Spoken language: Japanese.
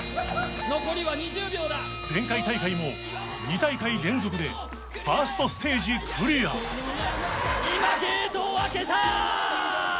前回大会も２大会連続でファーストステージクリア今ゲートを開けた！